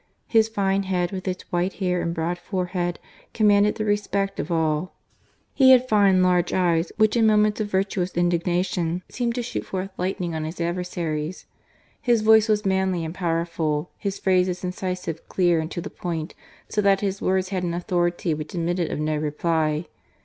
His fine head, with its white hair and broad forehead, commanded the respect of all. He had fine, large eyes, which in moments of virtuous indignation seemed to shoot forth lightning on his adversaries ; his voice was manly and powerful ; his phrases incisive, clear, and to the point ; so that his GARCIA MORENO. words had an authority which admitted of no reply.